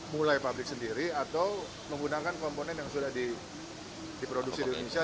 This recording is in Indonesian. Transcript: mulai pabrik sendiri atau menggunakan komponen yang sudah diproduksi di indonesia